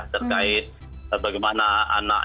terkait bagaimana anak